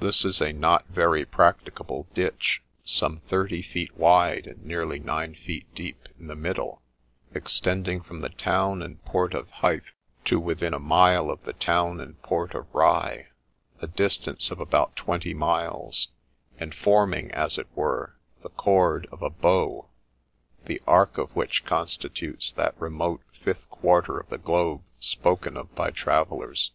This is a not THE LEECH OF FOLKESTONE 83 very practicable ditch, some thirty feet wide, and nearly nine feet deep, in the middle, extending from the town and port of Hithe to within a mile of the town and port of Rye, a distance of about twenty miles ; and forming, as it were, the cord of a bow, the arc of which constitutes that remote fifth quarter of the globe spoken of by travellers.